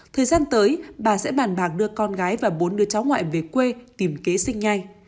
thời gian tới bà sẽ bàn bạc đưa con gái và bốn đứa cháu ngoại về quê tìm kế sinh nhai